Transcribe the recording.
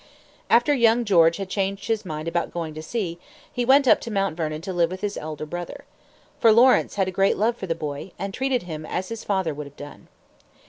After young George Washington had changed his mind about going to sea, he went up to Mount Vernon to live with his elder brother. For Lawrence had great love for the boy, and treated him as his father would have done.